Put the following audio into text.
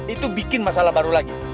itu bikin masalah baru lagi